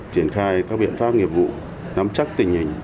triển khai các biện pháp nghiệp vụ nắm chắc tình hình